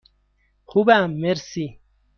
خوبم، مرسی.